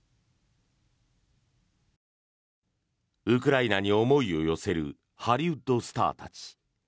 ウクライナに思いを寄せるハリウッドスターたち。